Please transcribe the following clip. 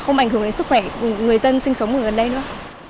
không ảnh hưởng đến sức khỏe của người dân sinh sống ở gần đây nữa